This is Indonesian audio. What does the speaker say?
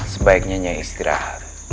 sebaiknya nyai istirahat